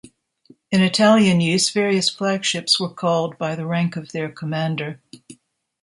In Italian use, various flagships were called by the rank of their commander.